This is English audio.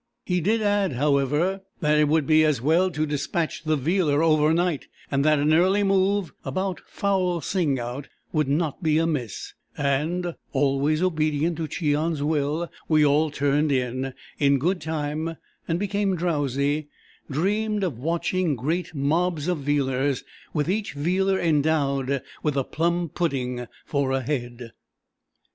He did add, however, that it would be as well to dispatch the Vealer over night, and that an early move (about fowl sing out) would not be amiss; and, always obedient to Cheon's will, we all turned in, in good time, and becoming drowsy, dreamed of "watching" great mobs of Vealers, with each Vealer endowed with a plum pudding for a head.